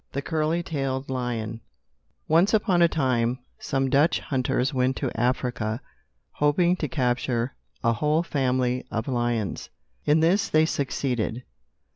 THE CURLY TAILED LION Once upon a time, some Dutch hunters went to Africa, hoping to capture a whole family of lions. In this they succeeded.